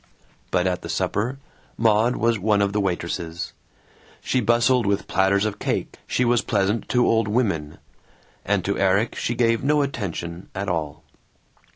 But at the supper Maud was one of the waitresses; she bustled with platters of cake, she was pleasant to old women; and to Erik she gave no attention at all.